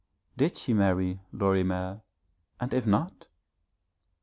Did she marry Lorimer? and if not